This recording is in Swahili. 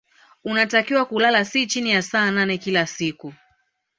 Unatakiwa kulala si chini ya saa nane kila siku